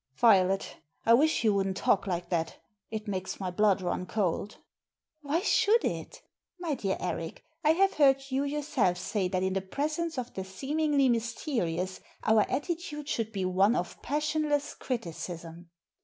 •'Violet, I wish you wouldn't talk like that It makes my blood run cold." "Why should it? My dear Eric, I have heard you yourself say that in the presence of the seem ingly mysterious our attitude should be one of passionless criticism.